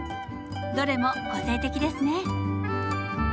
どれも個性的ですね。